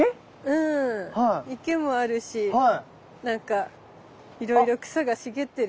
うん池もあるしなんかいろいろ草が茂ってるね